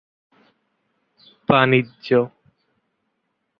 বাণিজ্য